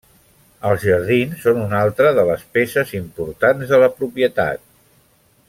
Els jardins són una altra de les peces importants de la propietat.